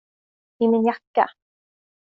I min jacka.